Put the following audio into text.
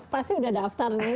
pasti sudah daftar nih saya yakin